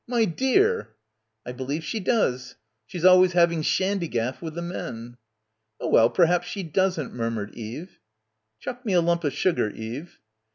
My dear!" "I believe she does. She's always having shandygaff with the men." "Oh, well, perhaps she doesn't," murmured Eve. "Chuck me a lump of sugar, Eve."